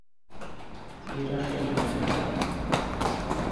تیر خیمه